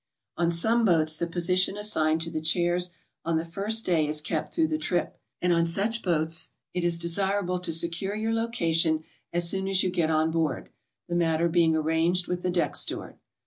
On some boats the position assigned to the chairs on the first day is kept through the trip, and on such boats it is desirable to secure your location as soon as you get on board, the matter being arranged with the deck steward.